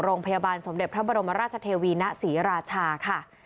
โรงพยาบาลสมเด็จพระบรมราชเทวีณศรีราชาค่ะ